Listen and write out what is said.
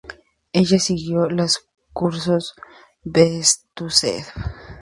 Ella siguió los cursos Bestúzhev.